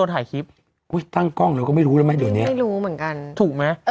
ทางกล้องเราก็ไม่รู้ด้วยไหม